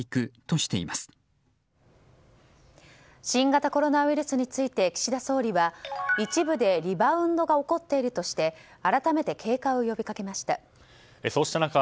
新型コロナウイルスについて岸田総理は一部でリバウンドが起こっているとして改めて警戒を呼びかけました。